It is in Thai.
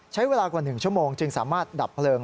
ใช้เวลากว่า๑ชั่วโมงจึงสามารถดับเพลิง